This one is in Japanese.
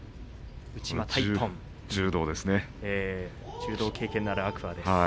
柔道経験がある天空海です。